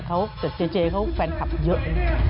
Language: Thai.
แต่เจเจเขาแฟนคลับเยอะ